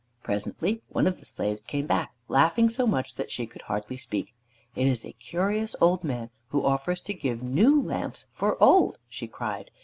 Presently one of the slaves came back, laughing so much that she could hardly speak. "It is a curious old man who offers to give new lamps for old," she cried.